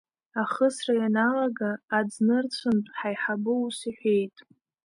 Ахысра ианалага, аӡнырцәынтә, ҳаиҳабы ус иҳәеит…